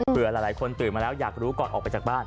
หลายคนตื่นมาแล้วอยากรู้ก่อนออกไปจากบ้าน